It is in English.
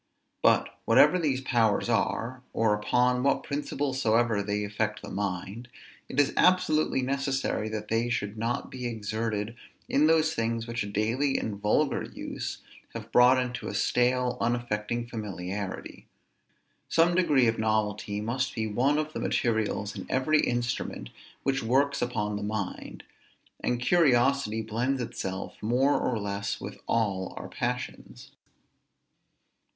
But, whatever these powers are, or upon what principle soever they affect the mind, it is absolutely necessary that they should not be exerted in those things which a daily and vulgar use have brought into a stale unaffecting familiarity. Some degree of novelty must be one of the materials in every instrument which works upon the mind; and curiosity blends itself more or less with all our passions.